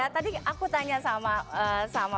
tadi aku tanya sama